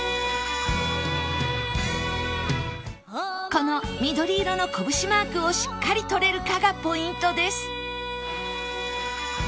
この緑色のこぶしマークをしっかり取れるかがポイントです